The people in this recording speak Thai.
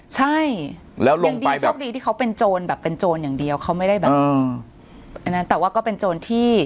ใช่แล้วยังดีโชคดีที่เขาเป็นโจรแบบเป็นโจรอย่างเดียวเขาไม่ได้แบบอันนั้นแต่ว่าก็เป็นโจรที่